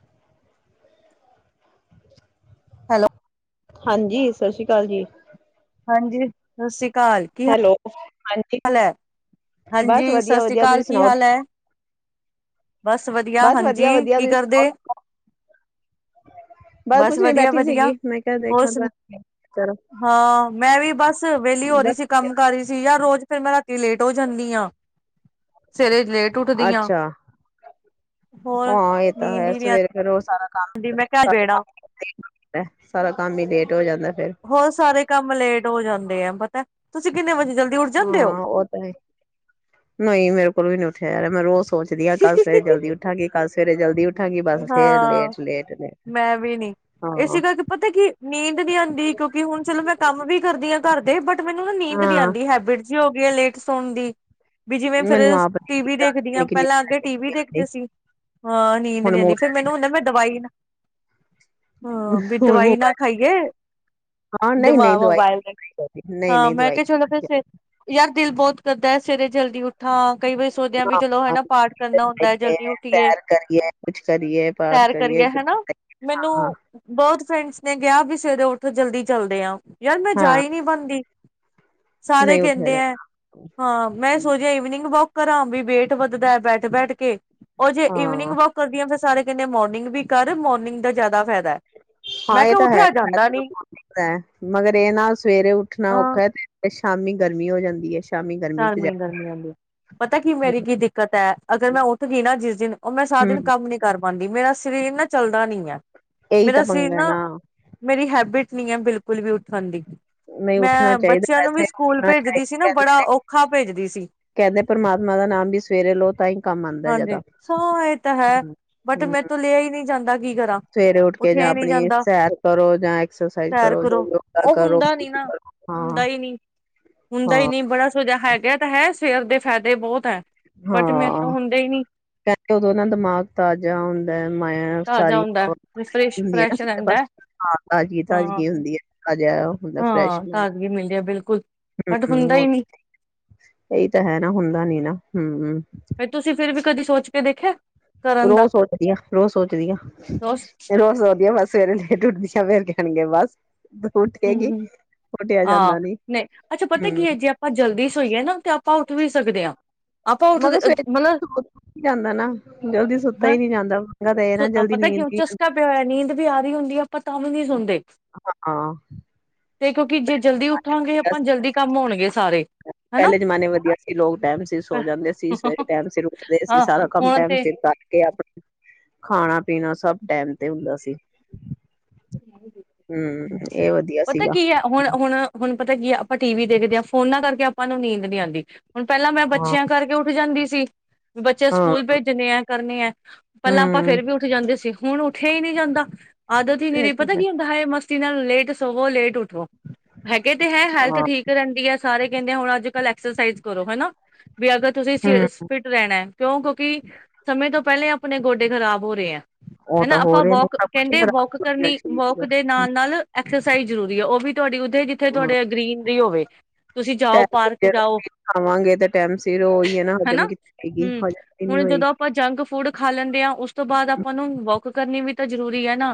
[unintelligible] Hello. ਹਾਂਜੀ ਸਤਿ ਸ੍ਰੀ ਕਾਲ ਜੀ। ਹਾਂਜੀ ਸਤਿ ਸ੍ਰੀ ਅਕਾਲ ਕੀ ਹੈਲੋ। ਹਾਂਜੀ ਬਸ ਹਾਂਜੀ ਸਤਿ ਵਧੀਆ ਸ੍ਰੀ ਵਧੀਆ ਤੁਸੀਂ ਕਾਲ। ਕੀ ਸੁਣਾਓ ਹਾਲ ਐ? ਬਸ ਵਧੀਆ। ਬਸ ਹਾਂਜੀ, ਵਧੀਆ ਕੀ ਤੁਸੀਂ ਕਰਦੇ? ਸੁਣਾਓ ਬਸ ਕੁਛ ਨੀ ਬੈਠੀ ਵਧੀਆ-ਵਧੀਆ। ਸੀਗੀ ਮੈਂ ਕਿਹਾ ਹੋਰ ਦੇਖਾਂ ਸੁਣਾ? ਚਲੋ ਹਾਂ, ਮੈਂ ਵੀ ਬਸ ਵੇਲੀ ਹੋ ਰੀ ਸੀ, ਬਸ ਕੰਮ ਕਰ ਰਹੀ ਸੀ ਯਾ ਰੋਜ ਫਿਰ ਮੈਂ ਰਾਤੀ ਲੇਟ ਹੋ ਜਾਂਨੀ ਆਂ। ਅੱਛਾ, ਹੋਰ ਆਂ ਇਹ ਤਾਂ ਨੀਂਦ ਹੈ ਹੀ ਨੀ ਸਵੇਰ ਫਿਰ ਉਹ ਸਾਰਾ ਆਉਂਦੀ ਮੈਂ ਕਿਹਾ ਬੇੜਾ ਸਾਰਾ ਕੰਮ ਈ ਲੇਟ ਹੋ ਜਾਂਦੈ ਫਿਰ। ਹੋਰ ਸਾਰੇ ਕੰਮ ਲੇਟ ਹੋ ਜਾਂਦੇ ਆ ਪਤਾ ਤੁਸੀਂ ਕਿੰਨੇ ਵਜੇ ਜਲਦੀ ਉੱਠ ਜਾਂਦੇ ਹੋ ਹਾਂ, ਉਹ ਤਾਂ ਹੈ ਈ। ਨਈ ਮੇਰੇ ਕੋਲ ਵੀ ਨਈ ਖੈਰ ਮੈਂ ਰੋਜ਼ ਸੋਚਦੀ ਆ ਕੱਲ ਸਵੇਰੇ ਜਲਦੀ ਉਠਾਂਗੀ, ਕੱਲ ਸਵੇਰੇ ਜਲਦੀ ਉੱਠਾਂਗੀ ਬਸ ਫੇਰ ਹਾਂ, ਲੇਟ ਲੇਟ ਲੇਟ ਮੈਂ ਵੀ ਨੀ। ਹਾਂ ਏਸੇ ਕਰਕੇ ਪਤੈ ਕਿ ਨੀਂਦ ਨੀ ਆਂਦੀ ਕਿਉਂਕਿ ਹੁਣ ਚਲੋ ਮੈਂ ਕੰਮ ਵੀ ਕਰਦੀ ਆਂ ਘਰ ਦੇ ਬਟ ਮੈਨੂੰ ਨਾ ਨੀਂਦ ਨੀ ਹਾਂ ਆਂਦੀ ਹੈਬਿਟ ਵੀ ਹੋ ਗਈ ਆਂ ਲੇਟ ਸੋਣ ਦੀ ਵੀ ਜਿਵੇਂ ਫਿਰ ਮੈਨੂੰ ਆਪ ਟੀ ਵੀ ਦੇਖਦੀ ਆਂ ਕਿੰਨੀ ਪਹਿਲਾਂ ਅੱਗੇ ਟੀ ਵੀ ਕਿੰਨੀ ਦੇਖਦੇ ਸੀ, ਹ ਨੀਂਦ ਨੀ ਹੁਣ ਆਂਦੀ ਫਿਰ ਮੈਨੂੰ ਹੁੰਦੈ ਮੈਂ ਦਵਾਈ ਨਾ ਹਾਂ ਬੀ ਹੁਣ ਦਵਾਈ ਨਾ ਮੋਬਾਇਲ ਖਾਈਏ। ਹਾਂ ਨਹੀਂ ਦੇਮਾ ਨਹੀਂ ਦਵਾਈ ਮਬਾਇਲ, ਨਹੀਂ ਹਾਂ ਨਹੀਂ ਮੈਂ ਦਵਾਈ ਕਿਆ ਚਲੋ ਫਿਰ ਸੇ, ਯਾਰ ਦਿਲ ਬੋਤ ਕਰਦਾ ਐ ਸਵੇਰੇ ਜਲਦੀ ਉੱਠਾ ਕਈ ਬਰੀ ਸੋਚਦਿਆਂ ਬੀ ਚਲੋ ਹੈਨਾ ਪਾਠ ਕਰਨਾ ਹੁੰਦੈ ਜਲਦੀ ਉੱਠੀਏ। ਸੈਰ ਕਰੀਏ ਕੁਛ ਕਰੀਏ ਪਾਠ ਸੈਰ ਕਰੀਏ ਹਨਾ ਮੈਨੂੰ ਹਾਂ ਬਹੁਤ ਫਰੈਂਡਸ ਨੇ ਕਿਹਾ ਵੀ ਸਵੇਰੇ ਉੱਠੋ ਜਲਦੀ ਚੱਲਦੇ ਆ ਯਾਰ ਮੈਂ ਹਾਂ ਜਾਈ ਨ ਪਾਣਦੀ ਸਾਰੇ ਨਹੀਂ ਉੱਠਿਆ ਕਹਿੰਦੇ ਹੈ ਜਾਂਦਾ ਹਾਂ ਮੈਂ ਸੋਚਿਆ ਇਈਵਨਿੰਗ ਵੋਕ ਘਰਾਂ ਵੀ ਵੇਟ ਵੱਧਦਾ ਬੈਠ ਬੈਠ ਕੇ ਉਹ ਜੇ ਇਈਵਨਿੰਗ ਹਾਂ ਕਰਦੀ ਫਿਰ ਸਾਰੇ ਕਹਿੰਦੇ ਮੋਰਨਿੰਗ ਵੀ ਕਰ ਮੋਰਨਿੰਗ ਦਾ ਜ਼ਿਆਦਾ ਫਾਇਦਾ ਹੈ। ਹਾਂ ਮੈਂ ਇਹ ਕਿਹਾ ਤਾਂ ਹੈ ਉੱਠਿਆ ਜਾਂਦਾ ਨੀ ਮਗਰ ਇਹ ਨਾਲ ਸਵੇਰੇ ਉੱਠਣਾ ਹਾਂ ਔਖਾ ਤੇ ਸ਼ਾਮੀ ਗਰਮੀ ਹੋ ਜਾਂਦੀ ਹੈ। ਸ਼ਾਮੀ ਗਰਮੀ ਚ ਜਾ ਪਤਾ ਕੀ ਮੇਰੀ ਕੀ ਦਿੱਕਤ ਹੈ ਅਗਰ ਮੈਂ ਉੱਠ ਗਈ ਨਾ ਜਿਸ ਦਿਨ ਉਹ ਮੈਂ ਸਾਰ ਦਿਨ ਹਮ ਕੰਮ ਨੀ ਕਰ ਪਾਂਦੀ ਮੇਰਾ ਸਰੀਰ ਨਾ ਚੱਲਦਾ ਨੀ ਆ ਇਹੀ ਤਾਂ ਮੇਰਾ ਸਰੀਰ ਪੰਗਾ ਹੈ ਨਾ ਮੇਰੀ ਹੈਬਿਟ ਹੈ ਬਿਲਕੁਲ ਵੀ ਉੱਠਣ ਦੀ ਨਹੀਂ ਉੱਠਣਾ ਮੈਂ ਚਾਹੀਦਾ ਬੱਚਿਆਂ ਨੂੰ ਵੀ ਵੈਸੇ ਸਕੂਲ ਉੱਠਣਾ ਭੇਜਦੀ ਚਾਹੀਦਾ ਸੀ ਨਾ ਕਹਿੰਦੇ ਬੜਾ ਨੇ ਔਖ ਕਹਿੰਦੇ ਪਰਮਾਤਮਾ ਦਾ ਨਾਮ ਵੀ ਸਵੇਰੇ ਲੋ ਤਈ ਹਾਂਜੀ ਸੋ ਇਹ ਤਾਂ ਹੈ ਬਟ ਹਮ ਮੇ ਤੋਂ ਲਿਆ ਹੀ ਨਹੀਂ ਜਾਂਦਾ ਕੀ ਕਰਾਂ ਸਵੇਰੇ ਉੱਠ ਕੇ ਉੱਠਿਆ ਜਾਂ ਹੀ ਨਹੀਂ ਆਪਣੀ ਜਾਂਦਾ ਸੈਰ ਕਰੋ ਜਾਂ ਐਕਸਰਸਾਈਜ਼ ਸੈਰ ਕਰੋ ਯੋਗਾ ਉਹ ਕਰੋ ਹੁੰਦਾ ਨੀ ਨਾ ਹਾਂ ਹੁੰਦਾ ਹੀ ਨਹੀਂ ਹਾਂ ਕਿਹਾ ਤਾਂ ਹੈ ਸਵੇਰ ਦੇ ਫਾਇਦੇ ਬਹੁਤ ਹੈ। ਬਟ ਮੈਂ ਹਾਂ ਹੁੰਦੇ ਹੀ ਨਹੀਂ ਕਹਿੰਦੇ ਉਦੋਂ ਨਾ ਦਿਮਾਗ ਤਾਜ਼ਾ ਹੁੰਦਾ ਮ ਤਾਜ਼ਾ ਸਾਰੀ ਹੁੰਦਾ ਫਰੈਸ਼ ਹੁੰਦੀ ਫਰੈਸ਼ ਨਾ ਰਹਿੰਦਾ ਤਾਜ਼ਗੀ ਹਾਂ ਤਾਜ਼ਗੀ ਹੁੰਦੀ ਹੈ ਤਾਜ਼ਾ ਹੁੰਦਾ ਫਰੈਸ਼ ਹਾਂ ਮਾਇਂਡ ਤਾਜ਼ਗੀ ਮਿਲਦੀ ਹੈ ਬਿਲਕੁਲ ਬਟ ਹੁੰਦਾ ਹਮ ਹ ਹੀ ਨਹੀਂ ਇਹੀ ਤਾਂ ਹੈ ਨਾ ਹੁੰਦਾ ਨੀ ਨਾ ਹਮ [unintelligible] ਹਮ ਫ ਤੁਸੀਂ ਫਿਰ ਵੀ ਕਦੀ ਸੋਚ ਕੇ ਦੇਖਿਆ ਕਰਨ ਦਾ ਰੋਜ਼ ਸੋਚਦੀਆਂ, ਰੋਜ਼ ਸੋਚਦੀਆਂ, ਰੋਜ਼ ਸੋਚਦੀਆਂ ਬਸ ਸਵੇਰੇ ਲੇਟ ਉੱਠਦੀ ਆ ਫਰ ਕੇਣਗੇ ਬਸ ਉੱਠੇਗੀ ਹਮ ਉੱਠਿਆ ਹਾਂ ਜਾਂਦਾ ਨੀ ਨਹੀਂ ਅੱਛਾ ਪਤਾ ਹਮ ਕੀ ਹੈ ਜੇ ਆਪਾਂ ਜਲਦੀ ਸੋਈਏ ਨਾ ਤੇ ਆਪਾਂ ਉੱਠ ਵੀ ਸਕਦੇ ਹਾਂ ਆਪਾਂ ਮਗਰ ਉੱਠਦੇ ਸਵੇਰੇ ਮਤਲਬ ਜਾਂਦਾ ਨਾ ਜਲਦੀ ਸੁੱਤਾ ਹੈ ਹੀ ਨਹੀਂ ਜਾਂਦਾ ਪਂਗਾ ਤਾਂ ਇਹ ਨਾ ਜਲਦੀ ਪਤਾ ਨੀਂਦ ਕਿਉਂ ਹੀ ਆਦੀ ਚਸਕਾ ਪਿਆ ਹੋਇਆ ਨੀਂਦ ਵੀ ਆ ਰਹੀ ਹੁੰਦੀ ਆ ਆਪਾਂ ਤਾਂ ਵੀ ਨਹੀਂ ਸੁਣਦੇ ਹਾਂ ਤੇ ਕਿਉਂਕਿ ਜੇ ਜਲਦੀ ਉੱਠਾਂਗੇ ਆਪਾਂ ਜਲਦੀ ਕੰਮ ਹੋਣਗੇ ਸਾਰੇ ਹਨਾ ਪਹਿਲੇ ਜਮਾਨੇ ਵਧੀਆ ਸੀ ਲੋਕ ਟੈਮ ਸਿਰ ਸੋ ਜਾਂਦੇ ਸੀ, ਸਵੇਰੇ ਟੈਮ ਸਿਰ ਉੱਠਦੇ ਸੀ, ਹਾਂ ਸਾਰਾ ਕੰਮ ਹੁਣ ਟੈਮ ਤੇ ਸਿਰ ਕਰਕੇ ਆਪਣਾ ਖਾਣਾ ਪੀਣਾ ਸਭ ਟੈਮ ਤੇ ਹੁੰਦਾ ਸੀ। ਹੂੰ ਇਹ ਵਧੀਆ ਪਤਾ ਸੀਗਾ ਕੀ ਹੈ? ਹੁਣ, ਹੁਣ, ਹੁਣ ਪਤਾ ਕੀ ਆਪਾਂ ਟੀ ਵੀ ਦੇਖਦੇ ਹਾਂ, ਫੋਨਾਂ ਕਰਕੇ ਆਪਾਂ ਨੂੰ ਨੀਂਦ ਨਹੀਂ ਆਂਦੀ। ਹੁਣ ਪਹਿਲਾਂ ਮੈਂ ਹਾਂ ਬੱਚਿਆਂ ਕਰਕੇ ਉੱਠ ਜਾਂਦੀ ਜੀ। ਵੀ ਬੱਚੇ ਹਾਂ ਸਕੂਲ ਭੇਜਣੇ ਐ, ਕਰਨੇ ਐ, ਪਹਿਲਾਂ ਆਪਾਂ ਹੂੰ ਫੇਰ ਵੀ ਉੱਠ ਜਾਂਦੇ ਸੀ। ਹੁਣ ਉੱਠਿਆ ਹੀ ਨੀ ਜਾਂਦਾ। ਤੇ ਇਹ ਫੇਰ ਤਾਂ ਪਤਾ ਹੈ ਕੀ ਹੁੰਦਾ? ਹਾਏ ਮਸ ਦੇ ਨਾਲ ਲੇਟ ਸੋਵੋ, ਲੇਟ ਉਠੋ। ਹੈਗੇ ਤੇ ਹੈ, ਹੈਲਥ ਹਾਂ ਠੀਕ ਰਹਿੰਦੀ ਐ। ਸਾਰੇ ਕਹਿੰਦੇ, ਹੁਣ ਅੱਜ ਕੱਲ ਐਕਸਰਸਾਈਜ਼ ਕਰੋ ਹਨਾ। ਵੀ ਅਗਰ ਤੁਸੀਂ ਹੂੰ ਸ ਫਿਟ ਰਹਿਣਾ ਐ। ਕਿਉਂ ਕਿਉਂਕਿ ਸਮੇਂ ਤੋਂ ਪਹਿਲੇ ਆਪਣੇ ਗੋਡੇ ਖ਼ਰਾਬ ਹੋ ਰਹੇ ਐ। ਉਹ ਹਨਾ, ਤਾਂ ਹੋ ਆਪਾਂ ਰਹੇ ਨੇ ਵੋਕ ਸਭ ਕੁਛ ਹੀ ਕਹਿੰਦੇ ਵੋਕ ਖਰਾਬ ਹੋ ਗਿਆ ਨੀ ਸਰੀਰ ਵੋਕ ਦਾ। ਦੇ ਹਾਂ, ਨਾਲ-ਨਾਲ ਐਕਸਰਸਾਈਜ਼ ਵੀ ਜ਼ਰੂਰੀ ਹੈ, ਉਹ ਵੀ ਤੁਹਾਡੀ ਉੱਥੇ, ਜਿੱਥੇ ਤੁਹਾਡੇ ਗਰੀਨਰੀ ਹੋਵੇ। ਤੁਸੀਂ ਜਾਓ, ਟਾਈਮ ਸਿਰ ਪਾਰਕ ਜੇ ਜਾਓ ਰੋਟੀ ਖਾਵਾਂਗੇ ਤੇ ਟਾਈਮ ਸਿਰ ਉਹੀ ਹੈ ਨਾ ਹਨਾ ਹਜਮ ਕੀਤੀ ਜਾਏਗੀ ਹੂੰ, ਹਜਮ ਵੀ ਨੀ ਹੁਣ ਜਦੋਂ ਹੋਏਗੀ ਆਪਾਂ ਜੰਕ ਫੂਡ ਖਾ ਲੈਂਦੇ ਹਾਂ, ਉਸ ਤੋਂ ਬਾਅਦ ਆਪਾਂ ਨੂੰ ਵੋਕ ਕਰਨੀ ਵੀ ਤੇ ਜਰੂਰੀ ਹੈ ਨਾ।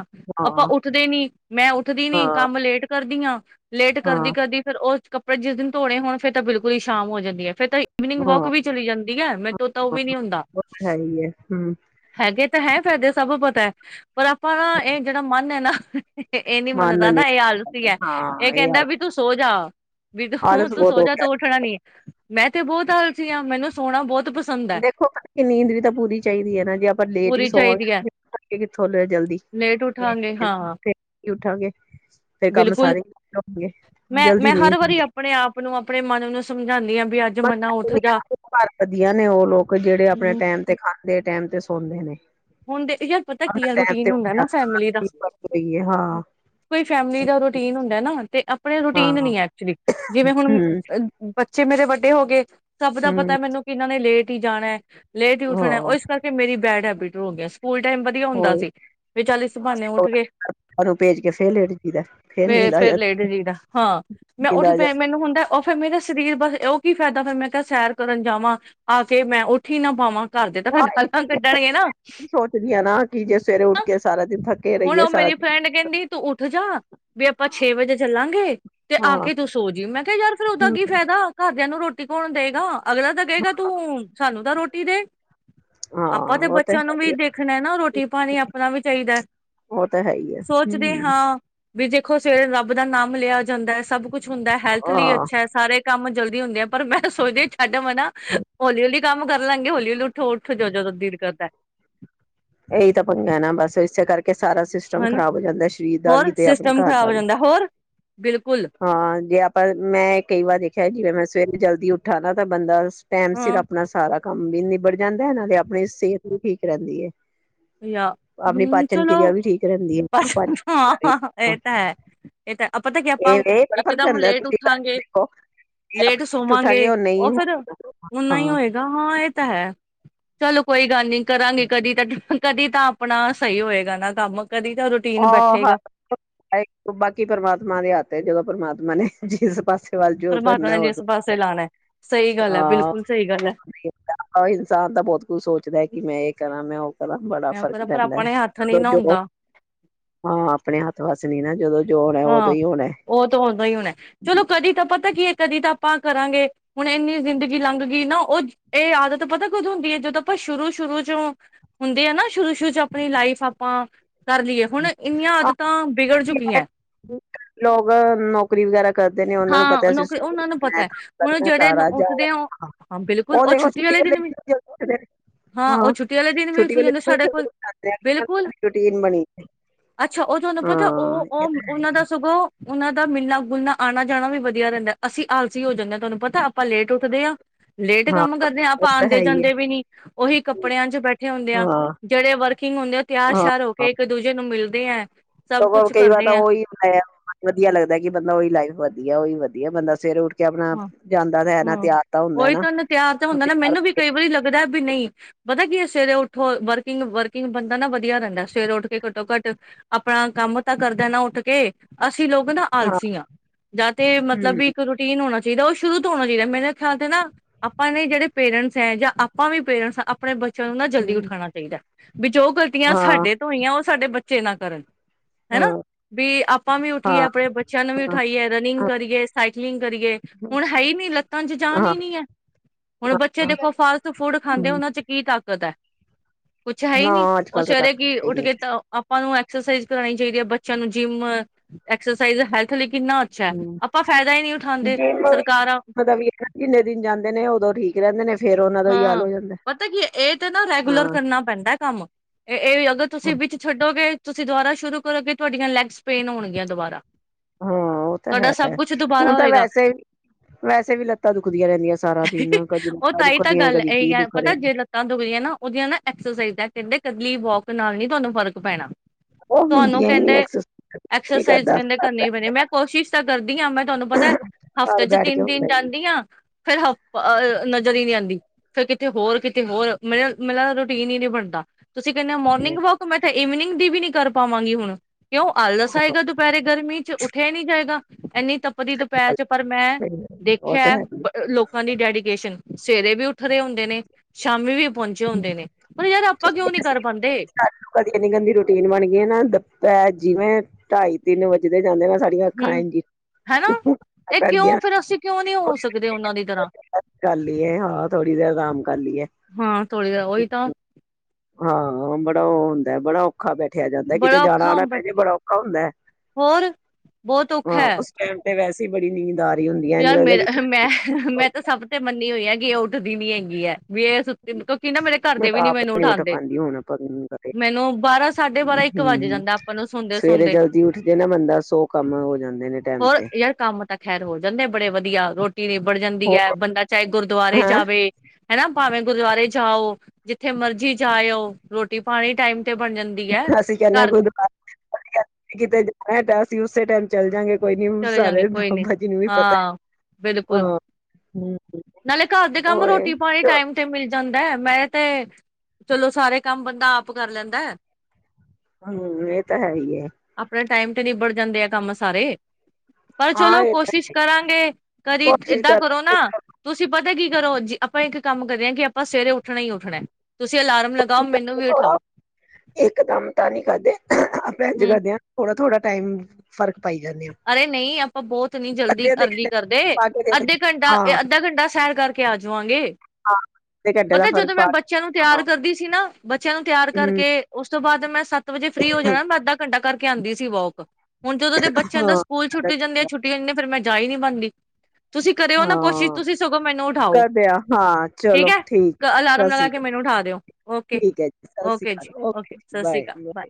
ਆਪਾਂ ਹਾਂ ਉੱਠਦੇ ਨੀ, ਮੈਂ ਉੱਠਦੀ ਨੀ, ਹਾਂ ਕੰਮ ਲੇਟ ਕਰ ਡੀਆਂ। ਲੇਟ ਹਾਂ ਕਰਦੀ ਕਰਦੀ ਫਿਰ ਉਹ ਕਪ ਪਰ ਜਿਸ ਦਿਨ ਧੋਣੇ ਹੋਣ ਫੇਰ ਤਾਂ ਬਿਲਕੁਲ ਹੀ ਸ਼ਾਮ ਹੋ ਜਾਂਦੀ ਐ। ਫੇਿਰ ਤਾਂ ਇਈਵਨਿੰਗ ਹਾਂ ਵਾਕ ਵੀ ਚਲੀ ਜਾਂਦੀ ਐ, ਮੈਂ ਤੋਂ ਤਾਂ ਉਹ ਵੀ ਨੀ ਹੁੰਦਾ, ਉਹ ਤਾਂ ਹੈ ਹੀ ਹੈ ਹਮ ਹੈਗੇ ਹੈ ਫਾਇਦੇ ਸਭ ਪਤਾ ਐ। ਪਰ ਆਪਾਂ ਨਾ ਇਹ ਜਿਹੜਾ ਮਨ ਹੈ ਨਾ ਇਹ ਨੀ ਮੰਨਦਾ ਮਨ ਨੀ ਨਾ, ਇਹ ਆਲਸੀ ਹੈ, ਇਹ ਕਹਿੰਦਾ ਵੀ ਤੂੰ ਸੋ ਜਾ। ਬੀ ਤੂੰ, ਆਲਸ ਤੂੰ ਬਹੁਤ ਹੋ ਸੋਜਾ ਗਿਆ ਤੂੰ ਉੱਠਣਾ ਨੀ। ਮੈਂ ਤੇ ਬਹੁਤ ਆਲਸੀ ਹਾਂ, ਮੈਨੂੰ ਸੋਹਣਾ ਬਹੋਤ ਦੇਖੋ ਤੜਕੇ ਨੀਂਦ ਵੀ ਤਾਂ ਪੂਰੀ ਚਾਹੀਦੀ ਹੈ ਨਾ ਜੇ ਆਪਾਂ ਲੇਟ ਹੀ ਪੂਰੀ ਚਾਹੀਦੀ ਹੈ ਸੋਵਾਂਗੇ ਤੜਕੇ ਕਿੱਥੋਂ ਜਲਦੀ ਲੇਟ ਉਠਾਂਗੇ ਹਾਂ, ਉੱਠਾਂਗੇ ਫੇਰ ਕੰਮ ਬਿਲਕੁਲ, ਸਾਰੇ ਹੋਣਗੇ ਮੈਂ ਜਲਦੀ ਮੈਂ ਨੀਂਦ ਹਰ ਵਾਰੀ ਆਉਂਦੀ ਹੈ। ਆਪਣੇ ਆਪ ਨੂੰ ਆਪਣੇ ਮਨ ਨੂੰ ਸਮਝਾਉਂਦੀ ਹਾਂ ਵੀ ਅੱਜ ਮਨਾ ਬਾਕੀ ਉੱਠ ਜਾ। ਦੁਨੀਆ ਦੇ ਘਰ ਵਧੀਆ ਨੇ ਉਹ ਲੋਕ ਜਿਹੜੇ ਆਪਣੇ ਹਮ ਟੈਮ ਤੇ ਖਾਂਦੇ ਟੈਮ ਤੇ ਸੌਦੇ ਨੇ। ਹੁਣ, ਦੇ ਯਾਰ ਪਤਾ ਕੀ ਆਪਣਾ ਟਾਈਮ ਰੂਟੀਨ ਤੇ ਉੱਠ ਹੁੰਦੈ ਨਾ ਜਾਂਦੇ ਫੈਮਲੀ ਦਾ, ਨੇ। ਬਾਤ ਹੋਈ ਹੈ। ਹਾਂ ਕੋਈ ਫੈਮਲੀ ਦਾ ਰੂਟੀਨ ਹੁੰਦੈ ਨਾ। [unintelligible] ਤੇ ਅਪ ਆਪਣੇ ਰੂਟੀਨ ਨੀ ਹਾਂ ਐ ਐਕਚੁਲੀ। ਜਿਵੇਂ ਹੁਣ ਹਮ ਬਚ ਬੱਚੇ ਮੇਰੇ ਵੱਡੇ ਹੋਗੇ। ਸਭ ਦਾ ਹਮ ਪਤਾ ਮੈਨੂੰ ਕਿਨ ਇਹਨਾਂ ਨੇ ਲੇਟ ਹੀ ਜਾਣੈ। ਲੇਟ ਹੀ ਉਠਣੈ। ਓਹ ਹਾਂ ਇਸ ਕਰਕੇ ਮੇਰੀ ਬੈਡ ਹੈਬਿਟ ਹੋ ਗਿਆ ਸਕੂਲ ਟੈਮ ਵਧੀਆ ਹੁੰਦਾ ਉਹੀ ਸੀ, ਵੀ ਚੱਲ ਇਸ ਬਹਾਨੇ ਉਠਗੇ। ਉਹਨੂੰ ਭੇਜ ਕੇ ਫੇਰ ਲੇਟ ਜੀਦਾ ਨੀਂਦ ਆ ਫੇਰ ਜਾ ਲੇਟ ਜੀ ਦਾ, ਹਾਂ ਮੈਂ ਨੀਂਦ ਉੱਠ ਆ ਜਾ ਪੈ ਮੈਨੂੰ ਹੁੰਦੈ ਔ ਫਿਰ ਮੇਰਾ ਸ਼ਰੀਰ ਰੀਰ ਬਸ, ਉਹ ਕੀ ਫੈਦਾ ਫਿਰ ਮੈਂ ਕਿਹਾ ਸੈਰ ਕਰਨ ਜਾਵਾਂ ਆ ਕੇ ਮੈਂ ਉੱਠ ਹੀ ਨਾ ਪਾਵਾਂ। ਘਰਦੇ ਤਾਂ ਫੇਰ ਹਾਂ ਗਾਲਾਂ ਕੱਢਣਗੇ ਨਾ। ਇਹ ਸੋਚਦੀ ਆ ਨਾ ਕਿ ਜੇ ਸਵੇਰੇ ਉੱਠ ਨਾ, ਕੇ ਸਾਰਾ ਦਿਨ ਥੱਕੇ ਹੁਣ ਰਹੀਏ ਔ ਸਾਰਾ ਮੇਰੀ ਦਿਨ ਫਰੈਂਡ ਕਹਿੰਦੀ ਤੂੰ ਉੱਠ ਜਾ ਵੀ ਆਪਾਂ ਛੇ ਵਜੇ ਚੱਲਾਂਗੇ ਤੇ ਆ ਹਾਂ ਕੇ ਤੂੰ ਸੋ ਜੀ। ਮੈਂ ਕਿਆ ਯਾਰ ਫਿਰ ਓਦਾ ਕੀ ਫਾਇਦਾ ਘਰ ਦੇ ਦੀਆਂ ਨੂੰ ਰੋਟੀ ਕੌਣ ਦੇਏਗਾ। ਅਗਲਾ ਤਾਂ ਕਹੇਗਾ ਤੂੰ ਸਾਨੂੰ ਤਾਂ ਰੋਟੀ ਦੇ। ਹਾਂ ਆਪਾਂ ਤੇ ਉਹ ਤਾਂ ਹੈ ਨੂੰ ਵੀ ਹੀ ਦੇਖਣੈ ਨਾ ਹੈ ਰੋਟੀ ਪਾਣੀ ਆਪਣਾ ਵੀ ਚਾਹੀਦੈ। ਉਹ ਤਾਂ ਹੈ ਹੀ ਹੈ ਸੋਚਦੇ ਹਮ ਹਾਂ ਵੀ ਦੇਖੋ ਸਵੇਰੇ ਰੱਬ ਦਾ ਨਾਮ ਲਿਆ। ਜਾਂਦੈ ਸਭ ਕੁੱਛ ਹੁੰਦੈ ਹੈਲਥ ਲਈ ਹਾਂ ਅੱਛਾ ਸਾਰੇ ਕੰਮ ਜਲਦੀ ਹੁੰਦੇ ਐ ਪਰ ਮੈਂ ਸੋਚਦੀ ਆ ਛਡ ਮਨਾ ਹੌਲੀ-ਹੌਲੀ ਕੰਮ ਕਰਲਾਂਗੇ ਹੌਲੀ-ਹੌਲੀ ਉੱਠੋ ਉੱਠੋ ਜੋ ਜਦੋਂ ਦਿਲ ਕਰਦੈ। [inaudible] ਇਹੀ ਤਾਂ ਪੰਗੈ ਐ ਨਾ ਬਸ ਇਸੇ ਕਰਕੇ ਕੇ ਸਾਰਾ ਸਿਸਟਮ ਹਨਾ ਖ਼ਰਾਬ ਹੋ ਜਾਂਦੈ ਸਰੀਰ ਦਾ ਵੀ ਹੋਰ ਤੇ ਆਪਣੇ ਸਿਸਟਮ ਘਰ ਖ਼ਰਾਬ ਦਾ ਹੋ ਵੀ। ਜਾਂਦਾ ਹੋਰ ਬਿਲਕੁਲ ਹਾਂ, ਜੇ ਆਪਾਂ ਮੈਂ ਕਈ ਵਾਰ ਦੇਖ ਚਾਏ ਜਿਵੇਂ ਮੈਂ ਸਵੇਰੇ ਜਲਦੀ ਉੱਠਾ ਨਾ ਤਾਂ ਬੰਦਾ ਟੈਮ ਸਿਰ ਹਾਂ ਆਪਣਾ ਸਾਰਾ ਕੰਮ ਵੀ ਨਿਬੜ ਜਾਂਦੈ ਨਾਲੇ ਆਪਣੀ ਸਿਹਤ ਵੀ ਠੀਕ ਰਹਿੰਦੀ ਏ। ਯਾ ਹੂੰ ਚਲੋ, ਕਿਰਿਆ ਵੀ ਠੀਕ ਰਹਿੰਦੀ ਹੈ ਬਸ ਪਾਚਨ ਹਾਂ ਕਿਰਿਆ ਵੀ ਹਾਂ ਏਹ ਤਾਂ ਹੈ, ਏਹ ਤਾਂ ਪਤਾ ਕੀ ਆਪਾਂ ਇਹ ਇਹ ਬੜਾ ਫ਼ਰਕ ਇਕਦਮ ਪੈਂਦਾ ਲੇਟ ਤੁਸੀਂ ਕਰਕੇ ਉੱਠਾਂਗੇ, ਦੇਖੋ ਲੇਟ ਆਪਣੇ ਉੱਠਾਂਗੇ ਸੋਵਾਂਗੇ, ਉਹ ਨਹੀਂ ਓਹ ਹੋ ਫਿਰ ਓਨਾ ਹੀ ਹਾਂ ਹੋਏਗਾ। ਹਾਂ, ਏਹ ਤਾਂ ਹੈ। ਚਲੋ ਕੋਈ ਗੱਲ ਨੀ। ਕਰਾਂਗੇ ਕਦੀ ਤਾਂ [unintelligible] ਕਦੀ ਤਾਂ ਆਪਣਾ ਸਹੀ ਹੋਏਗਾ ਨਾ ਕੰਮ। ਕਦੀ ਤਾਂ ਰੂਟੀਨ ਆਹ ਹ ਬੈਠੇਗਾ [inaudible] ਬਾਕੀ ਪ੍ਰਮਾਤਮਾ ਦੇ ਹਤੇ ਜਦੋਂ ਪ੍ਰਮਾ ਮਾਨੇ ਜਿਸ ਪਾਸੇ ਵੱਲ ਜੋ ਕਰਨੈ ਪਰਮਾਤਮਾ ਨੇ ਓਦੋ ਜਿਸ ਪਾਸੇ ਲਾਣਾ। ਹੈ। ਸਹੀ ਕਰਣੈ ਗੱਲ ਹੈ ਹਾਂ [inaudible] ਬਿਲਕੁਲ ਸਹੀ ਗੱਲ ਹੈ ਹਰ ਇਨਸਾਨ ਤਾਂ ਬਹੁਤ ਕੁਝ ਸੋਚਦੈ ਕਿ ਮੈਂ ਏ ਕਰ ਮੈਂ ਉਹ ਬੜਾ ਮੈਂ ਫ਼ਰਕ ਕਹਦਾ ਪਰ ਪੈਂਦਾ ਆਪਣੇ ਹੱਥ ਨੀ ਹੈ ਨਾ ਜੋ ਹੁੰਦਾ ਹਾਂ ਆਪਣੇ ਹੱਥ ਵਸ ਨੀ ਨਾ ਜਦੋਂ ਜੋ ਹੋਣਾ ਉਦੋਂ ਹਾਂ ਹੀ ਹੋਣਾ ਉਹ ਤਾਂ ਹਉਦਾ ਹੀ ਹੁਣਾ ਚਲੋ ਕਦੀ ਤਾਂ ਪਤਾ ਕੀ ਕਦੀ ਤਾਂ ਆਪਾਂ ਕਰਾਂਗੇ ਹੁਣ ਇੰਨੀ ਜ਼ਿੰਦਗੀ ਲੰਘ ਗਈ ਨਾ ਉਹ ਇਹ ਆਦਤ ਪਤਾ ਕੁਦ ਹੁੰਦੀ ਹੈ ਜਦੋਂ ਆਪਾਂ ਸ਼ੁਰੂ, ਸ਼ੁਰੂ ਚੋਂ ਹੁੰਦੇ ਆ ਨਾ ਸ਼ੁਰੂ, ਸ਼ੁਰੂ ਚ ਆਪਣੀ ਲਾਈਫ ਆਪਾਂ ਕਰ ਲਈਏ ਹੁਣ ਇੰਨੀਆਂ ਆਦਤਾਂ ਵਿਗੜ ਚੁੱਕੀਆਂ ਲੋਕ ਨੌਕਰੀ ਵਗੈਰਾ ਕਰਦੇ ਨੇ ਉਹਨਾਂ ਨੂੰ ਹਾਂ ਪਤਾੂਨਾ ਨੌਕਰੀ ਉਹਨਾਂ ਨੂੰ ਪਤਾ ਹੈ ਕੰਮ ਹੁਣ ਕਰਨਾ ਜਿਹੜੇ ਸਾਰਾ ਜਾ ਉੱਠਦੇ ਆ ਹਾਂ ਬਿਲਕੁਲ ਉਹ ਦੇਖੋ ਛੁੱਟੀ ਵੇ ਵਾਲੇ ਦਿਨ ਵੀ ਹਾਂ ਉਹ ਛੁੱਟੀ ਵਾਲੇ ਦਿਨ ਵੀ ਛੁੱਟੀ ਉੱਠ ਵੇਲੇ ਜਾਂਦੇ ਸਾਡੇ ਕੋਲ ਬਿਲਕੁਲ ਬਣੀ ਅੱਛਾ ਉਹ ਤੁਹਾਨੂੰ ਪਤਾ ਹਾਂ ਉਹ, ਇਹ ਉਹ ਉਹਨਾਂ ਦਾ ਸੁਗੋਂ ਉਹਨਾਂ ਦਾ ਦਾ ਮਿਲਣਾ ਗੁਲਣਾ ਆਣਾ ਜਾਣਾ ਵੀ ਵਧੀਆ ਰਹਿੰਦਾ ਅਸੀਂ ਆਲਸੀ ਹੋ ਜਾਂਦੇ ਹਾਂ ਤੁਹਾਨੂੰ ਪਤਾ ਆਪਾਂ ਲੇਟ ਉੱਠਦੇ ਹਾਂ ਲੇਟ ਕੰਮ ਕਰਦੇ ਹਾਂ ਉਹ ਆਪਾਂ ਤਾਂ ਹੈ ਆਉਂਦੇ ਹੀ ਹੈ ਜਾਂਦੇ ਵੀ ਨੀ ਉਹੀ ਕੱਪੜਿਆਂ ਚ ਬੈਠੇ ਹੁੰਦੇ ਆ ਹਾਂ ਜਿਹੜੇ ਵਰਕਿੰਗ ਹੁੰਦੇ ਆ ਤਿਆਰ ਹਾਂ ਸ਼ਿਆਰ ਹੋ ਕੇ ਇੱਕ ਦੂਜੇ ਨੂੰ ਮਿਲ ਦੇ ਹੈ। ਸਭ ਕੁਛ ਕਈ ਵਤ ਕਰਦੇ ਹੈ ਆਈ ਵਧੀਆ ਲੱਗਦਾ ਕਿ ਬੰਦਾ ਉਹੀ ਲਾਈਫ ਵਧੀਆ ਹੀ ਵਧੀਆ ਬੰਦਾ ਸਵੇਰੇ ਉੱਠ ਕੇ ਆਪਣਾ ਹਾਂ, ਜਾਂਦਾ ਤਾਂ ਹੈ ਨਾ ਹਾਂ ਤਿਆਰ ਤਾਂ ਹੁੰਦਾ ਉਹੀ ਨਾ ਤੁਹਾਨੂੰ ਤਿਆਰ ਤਾਂ ਹੁੰਦਾ ਨਾ ਤਿਆਰ ਮੈਨੂੰ ਵੀ ਹੋ ਕੇ ਕਈ ਵਾਰੀ ਲੱਗਦਾ ਵੀ ਨਹੀਂ ਪਤਾ ਕੀ ਸਵੇਰੇ ਉੱਠੋ ਵਰਕਿੰਗ, ਵਰਕਿੰਗ ਬੰਦਾ ਨਾ ਵਧੀਆ ਰਹਿੰਦਾ ਸਵੇਰੇ ਉੱਠ ਕੇ ਘੱਟੋ ਘੱਟ ਆਪਣਾ ਕੰਮ ਤਾਂ ਕਰਦਾ ਨਾ ਉੱਠ ਕੇ ਸੀ ਲੋਕ ਨਾ ਹਾਂ ਆਲਸੀੀਆਂ ਜਾਂ ਤੇ ਮਤਲਬ ਵੀ ਹਮ ਇੱਕ ਰ ਹੋਣਾ ਚਾਹੀਦਾ ਉਹ ਸ਼ੁਰੂ ਤੋਂ ਹੋਣਾ ਚਾਹੀਦਾ ਮੇਰੇ ਖਿਆਲ ਤੇ ਨਾ ਆਪਾਂ ਨੇ ਜਿਹੜੇ ਪੇਰੈਂਟਸ ਹੈ ਜਾਂ ਆਪਾਂ ਵੀ ਪੇਰੈਂਟਸ ਆਪਣੇ ਬ ਚਾਨੂੰ ਨਾ ਜਲਦੀ ਹਮ ਉਠਾਉਣਾ ਚਾਹੀਦਾ ਵੀ ਜੋ ਗਲਤੀਆਂ ਹਾਂ ਸਾਡੇ ਤੋਂ ਹੋਈਆਂ ਸਾਡੇ ਬੱਚੇ ਨਾ ਕਰਨ ਹਨਾ ਹਾਂ ਵੀ ਆਪਾਂ ਵੀ ਉੱਠੀਏ ਹਾਂ ਆਪਣੇ ਬੱਚਿਆਂ ਨੂੰ ਵੀ ਉਠਾਈਏ ਰਨਿੰਗ ਕਰੀਏ ਸਾਈਕ ਕਰੀਏ ਹੁਣ ਹੈ ਹੀ ਨੀ ਲੱਤਾਂ ਚ ਜਾਣ ਹਾਂ ਹੀ ਹਾਂ ਨੀ ਹੈ ਹੁਣ ਬੱਚੇ ਦੇਖੋ ਫਾਸਟ ਫੂਡ ਖਾਂਦੇ ਉਹਨਾਂ ਚ ਕੀ ਤਾਕ ਕੁਤਾ [unintelligible] ਕੁਛ ਹੈ ਹੀ ਨਾ ਨੀ ਅੱਜ ਉਹ ਕੱਲ ਤਾਂ ਸਵੇਰੇ ਤੱਕ ਕੀ ਹੈ ਹੀ ਉੱਠ ਨਹੀਂ ਕੇ ਤਾਂ ਆਪਾਂ ਨੂੰ ਐਕਸਾਈ ਕਰਾਣੀ ਚਾਹੀਦੀ ਹੈ, ਬੱਚਿਆਂ ਨੂੰ ਜਿੰਮ ਐਕਸਰਸਾਈਜ਼ ਹੈ ਲਈ ਕਿੰਨਾ ਅੱਛਾ ਹੈ ਆਪਾਂ ਫੈ ਜਿ ਮਤਲਬ ਜਿੰਨੇ ਦਿਨ ਜਾਂਦੇ ਨੇ ਉਦੋਂ ਠੀਕ ਰਹਿੰਦਾ [unintelligible] ਹਾਂ ਪਤਾ ਕੀ ਇਹ ਤਾਂ ਨਾ ਰੈਗੂਲਰ ਹਾਂ ਕਰਨਾ ਪੈਂਦਾ ਕੰਮ ਇਹ ਅਗਰ ਤੁਸੀਂ ਵਿੱਚ ਛੱਡੋਗੇ ਤੁਸੀਂ ਦੁਬਾਰਾ ਸ਼ੁਰੂ ਕਰੋਗੇ ਤੁਹਾਡੀਆਂ ਲੈਗਸ ਪੇਨ ਹੋਣਗੀਆਂ ਦੁਬਾਰਾ। ਹਾਂ ਉਹ ਤਾਂ ਤੁਹਾਡਾ ਹੈ। ਸਭ ਕੁਛ ਹੁਣ ਦੁਬਾਰਾ ਤਾਂ ਹੋਏਗਾ ਵੈਸੇ ਵੈਸੇ ਵੀ ਲੱਤਾਂ ਦੁਖਦੀਆਂ ਰਹਿੰਦੀਆਂ ਸਾਰਾ ਦਿਨ ਕਦੀ ਉਹ ਲੱਤਾਂ ਤਾਂਹੀ ਤਾਂ ਦੁਖਦੀਆਂ ਗੱਲ ਕਦੀ ਇਹੀ ਕੀ ਹੈ ਦੁੱਖ ਪਤਾ ਰਿਹਾ ਜੇ ਲੱਤਾਂ ਦੁਗਦੀਆਂ ਨਾ ਉਹਦੀਆਂ ਨਾ ਐਕਸਰਸਾਈਜ਼ ਹੈ ਕਹਿੰਦੇ ਕਲੀ ਵੋਕ ਨਾਲ ਨੀ ਤੁਹਾਨੂੰ ਫਰਕ ਪੈਣਾ। ਉਹ ਤੁਹਾਨੂੰ ਹੁੰਦੀਆਂ ਹੀ ਨੀ ਕਹਿੰਦੇ ਐਕਸਰਸਾਈਜ਼ ਨੀ ਐਕਸਰਸਾਈਜ਼ ਕਰਦਾ ਕਹਿੰਦੇ ਕਰਨੀ ਪੈਣੀ। ਮੈਂ ਕੋਸ਼ਿਸ਼ ਤਾਂ ਕਰਦੀ ਹਾਂ ਮੈਂ ਤੁਹਾਨੂੰ ਪਤਾ, ਘਰ ਹਫ਼ਤੇ ਚ ਬੈਠ ਕੇ ਤਿੰਨ ਦਿਨ ਹੁੰਦਾ ਹੀ ਜਾਂਦੀ ਹਾਂ। ਫੇਿਰ ਹ ਅਹ ਜ ਨੀ ਆਉਂਦੀ ਫਿਰ ਕਿਤੇ ਹੋਰ ਕਿਤੇ ਹੋਰ ਮ ਮਤਲਬ ਰੂਟੀਨ ਹੀ ਨਹੀ ਬਣਦਾ। ਤੁਸੀਂ ਕਹਿੰਦੇ ਨੀ ਮਰਿੰਗ ਵਾਕ ਮੈਤੇ ਈਵਨਿੰਗ ਦੀ ਵੀ ਨੀ ਕਰ ਪਾਵਾਂਗੀ ਹੁਣ। ਕਿਉਂ ਆਲਸ ਆਏਗਾ ਦੁਪਹਿਰੇ ਗਰਮੀ ਚ ਉੱਠ ਉੱਠਿਆ ਨਹੀਂ ਜਾਏਗਾ ਇੰਨੀ ਤਪਦੀ ਦੁਪਹਿਰ ਚ ਪਰ ਮੈਂ ਉਹ ਤਾਂ ਦੇਖਿਆ ਹੈ ਨੀ, ਲੋਕਾਂ ਦੀ ਡੈਡੀਕੇਸ਼ਨ। ਸਵੇਰੇ ਵੀ ਉੱਠਦੇ ਹੁੰਦੇ ਨੇ ਸ਼ਾਮੀ ਵੀ [inaudible] ਪਹੁੰਚੇ ਹੁੰਦੇ ਨੇ ਪਰ ਯਾਰ ਆਪਾਂ ਕਿਉਂ ਨੀ ਕਰ ਪਾਉਂਦੇ ਦੀ ਇੰਨੀ ਗੰਦੀ ਰੂਟੀਨ ਬਣ ਗਈ ਆ ਨਾ ਤਾਂ ਜਿਵੇਂ ਢਾਈ ਤਿੰਨ ਵਜੇਦੇ ਜਾਂਦੇ ਮ ਸਾਡੀਆਂ ਅੱਖਾਂ ਹਮ ਐਜੀ ਹਨਾ ਇਹ ਕਿਉਂ ਫਿਰ ਅਸੀਂ ਕਿਉਂ ਨਹੀਂ ਹੋ ਸਕਦੇ ਉਹਨਾਂ ਦੀ ਤਰ੍ਹਾਂ ਕਰ ਲਈਏ ਹਾਂ ਥੋੜ੍ਹੀ ਦੇਰ ਆਰਾਮ ਕਰ ਲਈਏ। ਹੋਲੀ ਉਹੀ ਤਾਂ ਹਾਂ ਬੜਾ ਉਹ ਹੁੰਦਾ ਬੜਾ ਔਖਾ ਬੈਠ ਉੱਠਿਆ ਜਾਂਦਾ ਕਿਤੇ ਬੜਾ ਜਾਣਾ ਔਖਾ ਆਉਣਾ ਪੈ ਬਟ ਜੇ ਬੜਾ ਔਖਾ ਹੁੰਦਾ। ਹੋਰ ਬਹੁਤ ਹਾਂ ਉਸ ਟਮ ਤੇ ਵੈਸੇ [unintelligible] ਬੜੀ ਨੀਂਦ ਆ ਰਹੀ ਹੁੰਦੀ ਹੈ ਯ ਇੰਝ ਯਾਰ ਲੱਗਦਾ ਮੇਰਾ ਕਿ ਮੈਂ ਮੈਂ ਤਾਂ ਸਭ ਤੇ ਮੰਨੀ ਹੋਈ ਹੈ। ਕੀ ਉੱਠਦੀ ਨੀ ਹੈਗੀ ਹੈ। ਵੀ ਇਹ ਸੁੱਤੀ ਮਤਲਬ ਕਿਉਂਕਿਕ ਨਾ ਮੇਰੇ ਮੈਂ ਘਰਦੇ ਤਾਂ ਵੀ ਨੀ ਆਪ ਮੈਨੂੰ ਉੱਠ ਉਠਾਉਂਦੇ। ਪਾਉਂਦੀ ਹੁਣ ਆਪਾਂ ਨੂੰ ਕਰੇ ਮੈਨੂੰ ਬਾਰਾਂ ਸਾਢੇ ਬਾਰਾਂ ਇੱਕ ਵੱਜ ਹਮ ਜਾਂਦਾ ਆਪਾਂ ਨੂੰ ਸਵੇਰੇ ਸੋਦੇ-ਸੋਦੇ। ਜਲਦੀ ਉੱਠਦੇ ਨਾ ਬੰਦਾ ਸੌ ਕੰਮ ਹੋ ਜਾਂਦੇ ਨੇ ਟਾਈਮ ਹੋਰ ਤੇ ਯਾਰ ਕੰਮ ਤਾਂ ਖੈਰ ਹੋਰ [unintelligible] ਬੜੇ ਵਧੀਆ ਰੋ ਨਿਬੜ ਜਾਂਦੀ ਹੈ ਹੋਰ ਬੰਦਾ ਚਾਹੇ ਗੁਰਦੁਆਰੇ ਹੈਂ ਜਾਵੇ। ਹਨਾ ਭਾਵੇਂ ਗੁਰਦੁਆਰੇ ਜਾਓ ਜਿੱਥੇ ਮਰਜ਼ੀ ਜਾਇਓ ਰੋਟੀ ਪਾਣੀ ਟਾਈਮ ਤੇ ਬਣ ਜਾਂਦੀ ਹੈ ਅਸੀਂ ਕਹਿੰਦੇ ਘਰ [unintelligible] ਕਿਤੇ ਜਾਣਾ ਤਾਂ ਅਸੀਂ ਉਸੇ ਟਾਈਮ ਚੱਲ ਜਾਂਗੇ। ਕੋਈ ਨੀ ਚਲੇ ਜਾਂਗੇ ਸਾਰੇ ਕੋਈ ਨੀ। ਬਾਬਾ ਜੀ ਨੂੰ ਵੀ ਪਤਾ ਹੈ। ਹਾਂ, ਬਿਲਕੁਲ ਹਾਂ ਹਮ ਨਾਲੇ ਘਰ ਦੇ ਕੰਮ ਓਏ ਰੋਟੀ ਪਾਣੀ ਟਾਈਮ ਤੇ ਮਿਲ ਜਾਂਦੇ ਮੈਂ, ਮੈਂ ਤੇ ਚਲੋ ਸਾਰੇ ਕੰਮ ਬੰਦਾ ਆਪ ਕਰ ਲੈਂਦਾ। ਹਮ ਇਹ ਤਾਂ ਹੈ ਹੀ ਏ। ਆਪਣੇ ਟਾਈਮ ਤੇ ਨਿਬੜ ਜਾਂਦੇ ਆ ਕੰਮ ਸਾਰੇ। ਪਰ ਹਾਂ ਚਲੋ ਇਹ ਤਾਂ ਕੋਸ਼ਿਸ਼ ਕਰਾਂਗੇ ਕਰੀ ਕੋਸ਼ਿਸ਼ ਏਦਾਂ ਕਰ ਕਰੋ ਨਾ, ਤੁਸੀਂ ਪਤਾ ਕੀ ਕਰੋ ਜੀ ਆਪਾਂ ਇੱਕ ਕੰਮ ਕਰੇ ਹਾਂ ਕਿ ਆਪਾਂ ਸਵੇਰੇ ਉੱਠਣਾ ਹੀ ਉੱਠਣਾ ਤੁਸੀਂ ਅਲਾਰਮ ਲਗਾਓ ਮੈਨੂੰ ਕਰ ਵੀ ਥੋੜਾ ਉਠਾਓ ਇਕ ਦਮ ਤਾਂ ਨਹੀਂ ਖਾਦੇ ਇੰਜ ਹਮ ਕਰਦੇ ਆ ਥੋੜ ਥੋੜਾ ਟਾਈਮ ਫਰਕ ਅਰੇ ਨਹੀਂ ਆਪਾਂ ਬਹੁਤਨੀ ਅੱਧੇ ਜਲਦੀ ਅੱਧੇ ਅਰਲੀ ਘੰਟੇ ਕਰਦੇ ਪਾ ਕੇ ਦੇਖ ਅੱਧੇ ਘੰਟਾ ਹਾਂ ਅੱਧਾ ਘੰਟਾ ਸੈਰ ਕਰਕੇ ਆ ਜਾਵਾਂਗੇ ਹਾਂ ਅੱਧੇ ਘੰਟੇ ਦਾ ਪਤਾ ਫ਼ਰਕ ਜਦੋਂ ਮੈਂ ਪਾ ਕੇ ਬੱਚਿਆਂ ਨੂੰ ਤਿਆਰ ਹਾਂ ਕਰਦੀ ਸੀ ਨਾ ਬੱਚਿਆਂ ਨੂੰ ਤਿਆਰ ਹੂੰ ਕਰਕੇ ਉਸ ਤੋਂ ਬਾਅਦ ਮੈਂ ਸਤ ਇੱਕ ਵਜੇ ਫਰੀ ਹੋ ਜਾਣਾ ਮੈ ਅੱਧਾ ਘਟਾ ਕਰਕੇ ਆਂਦੀ ਸੀ ਵੋਕ ਹੁਣ ਜਦੋਂ ਦੇ ਬੱਚੇ ਜਾਂਦਾ ਹਾਂ ਸਕੂਲ ਛੁੱਟੀ ਜਾਂਦੀ ਛੁੱਟੀ ਜਾਂਦੀ ਫੇਰ ਮੈਂ ਟਾਇ ਨਹੀਂ ਬਣਦੀ ਤੁਸੀਂ ਕਰਿਓ ਨਾ ਕੋਸ਼ਿਸ਼ ਹਾਂ ਤੁਸੀਂ ਸਗੋਂ ਮੈਨੂੰ ਉਠਾਓ ਕਰਦੇ ਆ ਹਾਂ ਠੀਕ ਚਲੋ ਹੈ, ਠੀਕ ਅਲਾਰਮ ਸਤਿ ਲਗਾ ਸ੍ਰੀ ਕੇ ਅਕਾਲ ਮੈਨੂੰ ਉਠਾ ਦਿਓ ਓਕੇ ਠੀਕ ਹੈ ਜੀ ਸਤਿ ਸ੍ਰੀ ਓਕੇ ਅਕਾਲ ਜੀ ਓਕੇ ਜੀ ਸਤਿ ਸ੍ਰੀ ਅਕਾਲ ਬਾਏ